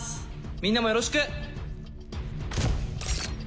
みんなもよろしく！